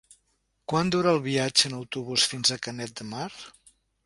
Quant dura el viatge en autobús fins a Canet de Mar?